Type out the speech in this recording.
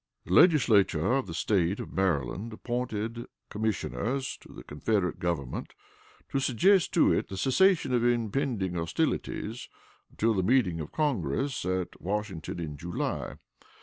The Legislature of the State of Maryland appointed commissioners to the Confederate Government to suggest to it the cessation of impending hostilities until the meeting of Congress at Washington in July.